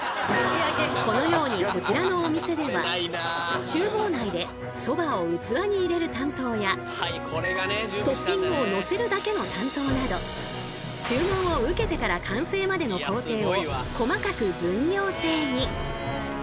このようにこちらのお店では厨房内でそばを器に入れる担当やトッピングをのせるだけの担当など注文を受けてから完成までの工程を細かく分業制に。